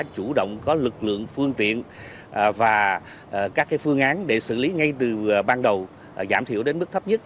chủ động có lực lượng phương tiện và các phương án để xử lý ngay từ ban đầu giảm thiểu đến mức thấp nhất